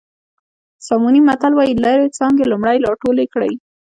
ساموني متل وایي لرې څانګې لومړی راټولې کړئ.